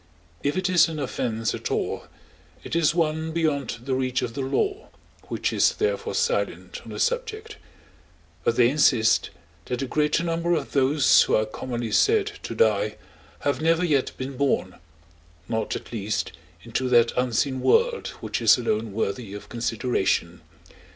If it is an offence at all, it is one beyond the reach of the law, which is therefore silent on the subject; but they insist that the greater number of those who are commonly said to die, have never yet been born—not, at least, into that unseen world which is alone worthy of consideration.